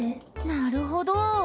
なるほど。